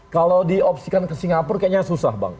kalau diopsikan ke singapura kayaknya susah bang